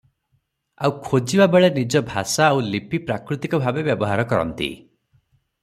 ଆଉ ଖୋଜିବା ବେଳେ ନିଜ ଭାଷା ଆଉ ଲିପି ପ୍ରାକୃତିକ ଭାବେ ବ୍ୟବହାର କରନ୍ତି ।